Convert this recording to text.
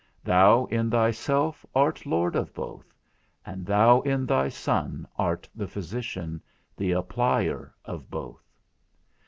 Thou in thyself art Lord of both, and thou in thy Son art the physician, the applier of both.